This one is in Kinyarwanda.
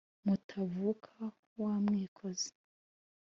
mutavuka wa mwikozi